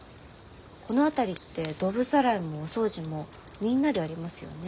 この辺りってドブさらいもお掃除もみんなでやりますよね？